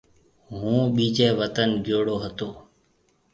هُون ٻيجي وطن گيوڙو هتو۔